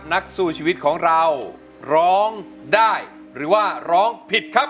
นักสู้ชีวิตของเราร้องได้หรือว่าร้องผิดครับ